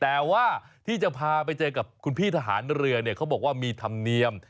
แต่ว่าที่จะพาไปเจอกับคุณพี่ทหารเรือเนี่ยเขาบอกว่ามีธรรมเนียม